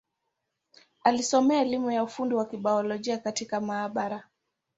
Alisomea elimu ya ufundi wa Kibiolojia katika maabara.